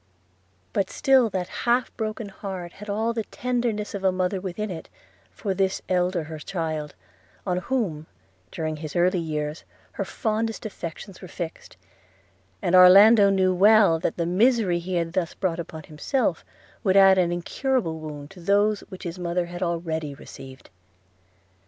But still that half broken heart had all the tenderness of a mother within it for this her eldest child, on whom, during his early years, her fondest affections were fixed – and Orlando well knew that the misery he had thus brought upon himself would add an incurable wound to those which his mother had already received.